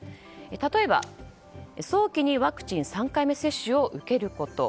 例えば、早期にワクチン３回目接種を受けること。